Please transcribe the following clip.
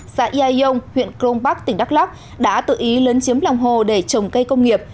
xã yaiong huyện crong bắc tỉnh đắk lắc đã tự ý lấn chiếm lòng hồ để trồng cây công nghiệp